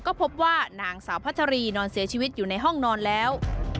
ก็พบว่านางสาวพัชรีนอนเสียชีวิตอยู่ในห้องนอนแล้ว